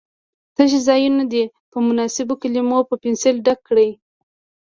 تش ځایونه دې په مناسبو کلمو په پنسل ډک کړي.